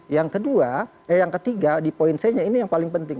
yang kedua yang ketiga di poin c nya ini yang paling penting